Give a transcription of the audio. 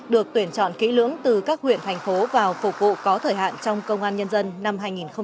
được tuyển chọn kỹ lưỡng từ các huyện thành phố vào phục vụ có thời hạn trong công an nhân dân năm hai nghìn hai mươi